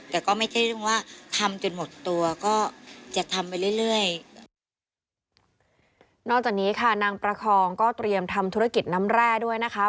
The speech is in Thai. แต่ก็ไม่ใช่เรื่องว่าทำจนหมดตัวก็จะทำไปเรื่อยเรื่อยนอกจากนี้ค่ะนางประคองก็เตรียมทำธุรกิจน้ำแร่ด้วยนะคะ